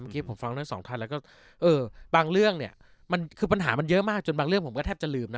เมื่อกี้ผมฟังทั้งสองท่านแล้วก็บางเรื่องเนี่ยมันคือปัญหามันเยอะมากจนบางเรื่องผมก็แทบจะลืมนะ